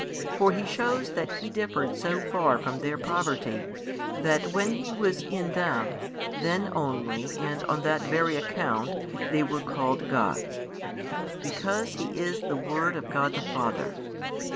For He shews that He differed so far from their poverty, that when He was in them, [then only, and] on that very account they were called gods: because He is the Word of God the Father.